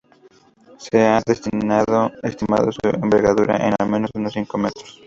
Se ha estimado su envergadura en al menos unos cinco metros.